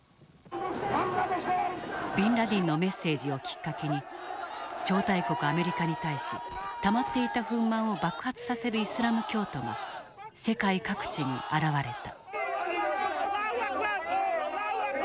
ビンラディンのメッセージをきっかけに超大国アメリカに対したまっていた憤懣を爆発させるイスラム教徒が世界各地に現れた。